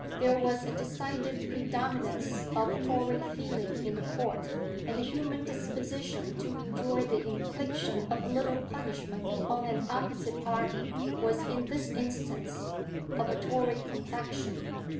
There was a decided predominance of Tory feeling in the Court, and the human disposition to enjoy the infliction of a little punishment on an opposite party, was in this instance, of a Tory complexion.